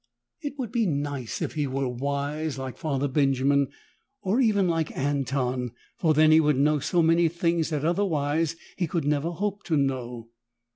It would be nice if he were wise, like Father Benjamin or even like Anton, for then he would know so many things that otherwise he could never hope to know.